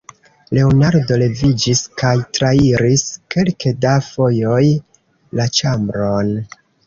Leonardo leviĝis kaj trairis kelke da fojoj la ĉambron.